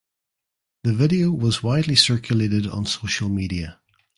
The video was widely circulated on social media.